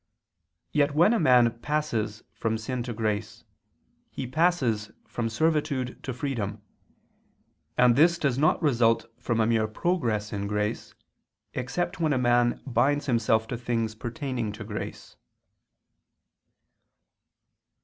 Yet when a man passes from sin to grace, he passes from servitude to freedom; and this does not result from a mere progress in grace, except when a man binds himself to things pertaining to grace.